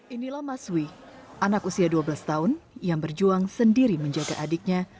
inilah maswi anak usia dua belas tahun yang berjuang sendiri menjaga adiknya